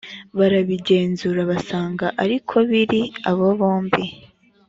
barabigenzura basanga ari ko biri abo bombi